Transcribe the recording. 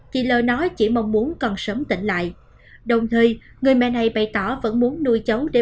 chị lơ nói chỉ mong muốn còn sớm tỉnh lại đồng thời người mẹ này bày tỏ vẫn muốn nuôi cháu để